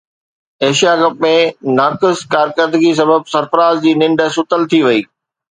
Asia cup ۾ ناقص ڪارڪردگيءَ سبب سرفراز جي ننڊ ستل ٿي وئي